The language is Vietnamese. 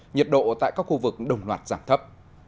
nhiệt độ tại các khu vực đồng loạt giảm thấp